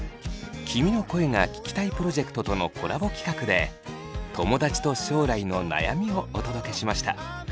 「君の声が聴きたい」プロジェクトとのコラボ企画で友だちと将来の悩みをお届けしました。